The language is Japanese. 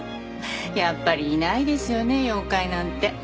やっぱりいないですよね妖怪なんて。